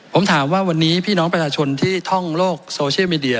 ผมถามว่าวันนี้พี่น้องประชาชนที่ท่องโลกโซเชียลมีเดีย